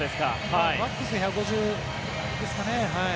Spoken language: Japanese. マックス１５０ｋｍですかね。